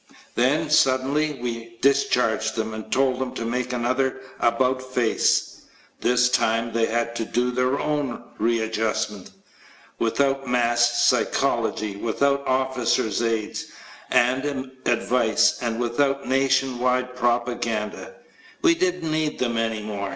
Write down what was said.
Then, suddenly, we discharged them and told them to make another "about face" ! This time they had to do their own readjustment, sans [without] mass psychology, sans officers' aid and advice and sans nation wide propaganda. We didn't need them any more.